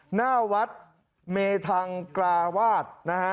หน้าวัดเมทังกราวาท